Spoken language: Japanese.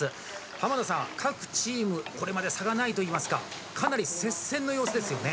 濱田さん、各チームこれまで差がないといいますかかなり接戦の様子ですよね？